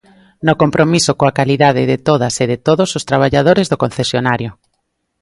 No "compromiso" coa "calidade" de todas e de todos os traballadores do concesionario.